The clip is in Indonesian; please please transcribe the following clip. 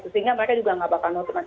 sehingga mereka juga nggak bakal nutup